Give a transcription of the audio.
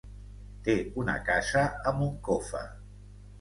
Té una casa a Moncofa.